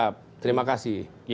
siap terima kasih